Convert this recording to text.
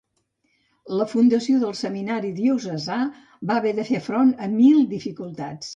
La fundació del seminari diocesà va haver de fer front a mil dificultats.